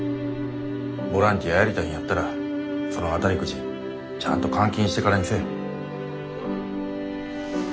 ボランティアやりたいんやったらその当たりくじちゃんと換金してからにせえ。